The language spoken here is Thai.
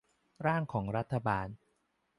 ร่างของรัฐบาล